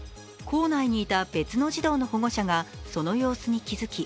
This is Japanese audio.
校内にいた別の児童の保護者がその様子に気付き